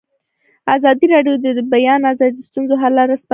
ازادي راډیو د د بیان آزادي د ستونزو حل لارې سپارښتنې کړي.